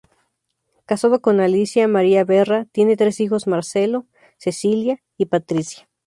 Casado con Alicia María Berra, tiene tres hijos Marcelo, Cecilia y Patricia.